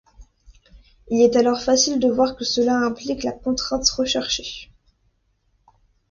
Il est alors facile de voir que cela implique la contrainte recherchée.